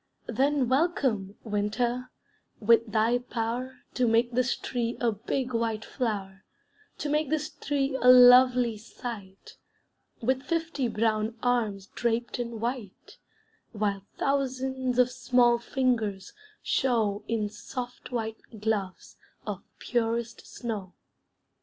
Then welcome, winter, with thy power To make this tree a big white flower; To make this tree a lovely sight, With fifty brown arms draped in white, While thousands of small fingers show In soft white gloves of purest snow.